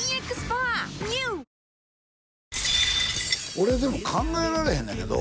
俺でも考えられへんのやけど